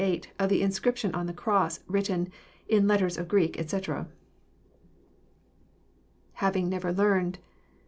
88 of the inscription on the cross, written " in letters of Greek," etc. IJ^aving never learned.